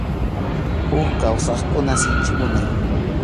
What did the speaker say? Huk kawsaqkuna sinchi munay.